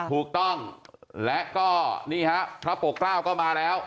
ถูกต้องและก็นี่ครับพระปกราวก็มาแล้ว